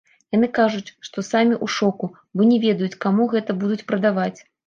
Яны кажуць, што самі ў шоку, бо не ведаюць каму гэта будуць прадаваць.